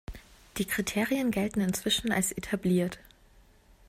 Die Kriterien gelten inzwischen als etabliert.